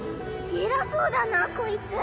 偉そうだなこいつ。